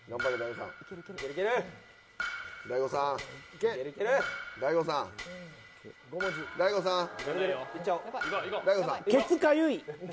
けつかゆい。